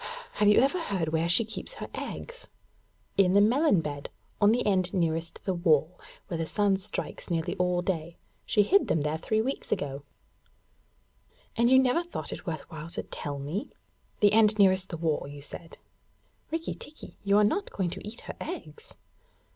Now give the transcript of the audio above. Have you ever heard where she keeps her eggs?' 'In the melon bed, on the end nearest the wall, where the sun strikes nearly all day. She hid them three weeks ago.' 'And you never thought it worth while to tell me? The end nearest the wall, you said?' 'Rikki tikki, you are not going to eat her eggs?'